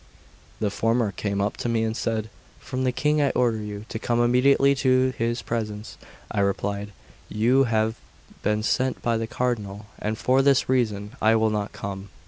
The former came up to me and said: "From the King I order you to come immediately to his presence." I replied: "You have been sent by the Cardinal, and for this reason I will not come."